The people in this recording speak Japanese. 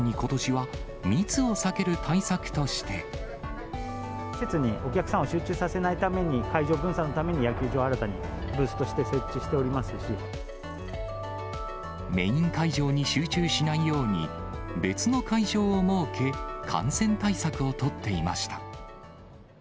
さらにことしは、施設にお客さんを集中させないために、会場分散のために、野球場を新たにブースとして設置メイン会場に集中しないように、別の会場を設け、感染対策を取っていました。